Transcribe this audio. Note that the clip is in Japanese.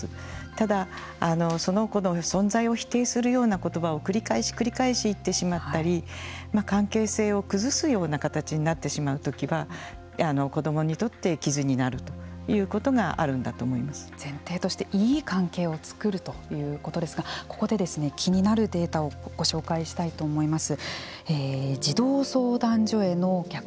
ただ、その子の存在を否定するような言葉を繰り返し繰り返し言ってしまったり関係性を崩すような形になってしまう時は子どもにとって傷になるということが前提としていい関係を作るということですがここで気になるデータをご紹介したいと思います。